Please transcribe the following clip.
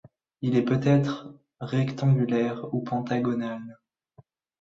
Il peut être rectangulaire ou pentagonal.